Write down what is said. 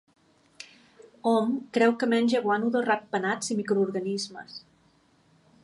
Hom creu que menja guano de ratpenats i microorganismes.